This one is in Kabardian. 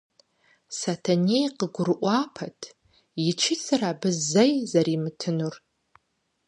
Сэтэней къыгурыӀуэпат и чысэр абы зэи зэрыримытынур.